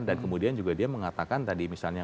dan kemudian juga dia mengatakan tadi misalnya